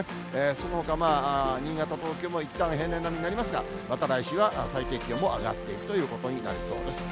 そのほかまあ、新潟、東京も、いったん平年並みになりますが、また来週は最低気温も上がっていくということになりそうです。